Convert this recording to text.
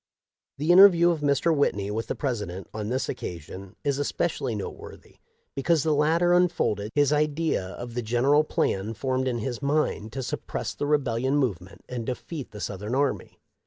'"* The interview of Mr. Whitney with the President on this occasion is especially noteworthy because the latter unfolded to him his idea of the general plan formed in his mind to suppress the rebellion movement and defeat the Southern army.